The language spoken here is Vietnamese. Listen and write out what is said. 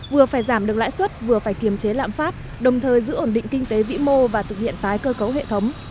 vừa phải giảm được lãi suất vừa phải kiềm chế lạm phát đồng thời giữ ổn định kinh tế vĩ mô và thực hiện tái cơ cấu hệ thống